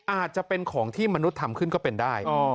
อาจจะเป็นของที่มนุษย์ทำขึ้นก็เป็นได้